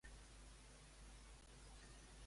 Els que llegiu i valideu, sou molt bona gent.